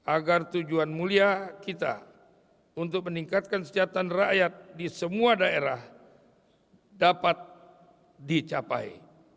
agar tujuan mulia kita untuk meningkatkan sejahteraan rakyat di semua daerah dapat dicapai